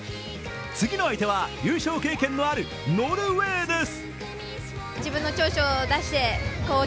次の相手は優勝経験のあるノルウェーです。